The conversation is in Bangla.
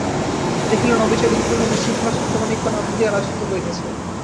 দেখিলেন, অবিচার উৎপীড়ন ও বিশৃঙ্খলা ছত্রমাণিক্য নাম ধরিয়া রাজত্ব করিতেছে।